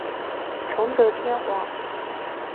崇德天皇。